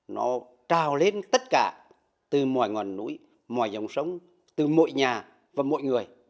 nó trào lên tất cả từ mọi ngọn núi mọi dòng sống từ mọi nhà và mọi người